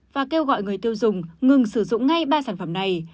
và kêu gọi người tiêu dùng ngừng sử dụng ngay ba sản phẩm này